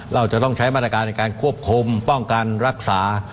เราจะต้องใช้มาตรการในการควบคุมป้องกันรักษา